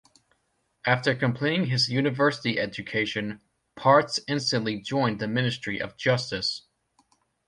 After completing his university education, Parts instantly joined the Ministry of Justice.